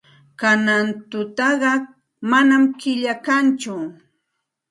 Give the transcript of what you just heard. Kanan tutaqa manam killa kanchu.